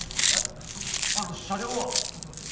あの車両は？もしもし？